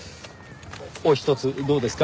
お一つどうですか？